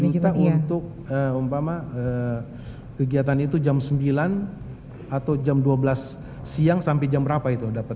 ratenya tiga puluh juta untuk umpama kegiatan itu jam sembilan atau jam dua belas siang sampai jam berapa itu dapat tiga puluh